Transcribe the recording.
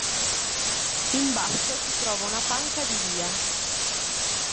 In basso si trova una panca di via.